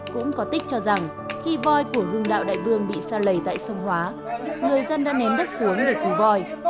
cũng có tích cho rằng khi voi của hương đạo đại vương bị xa lầy tại sông hóa người dân đã ném đất xuống để cứu voi